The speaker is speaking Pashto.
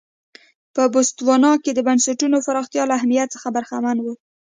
په بوتسوانا کې د بنسټونو پراختیا له اهمیت څخه برخمن و.